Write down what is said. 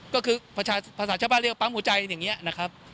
ก็คือภาษาชาวบ้านเรียกว่าปั๊มหัวใจอย่างนี้นะครับ